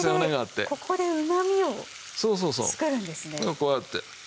こうやって。